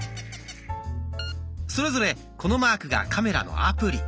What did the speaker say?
それぞれこのマークがカメラのアプリ。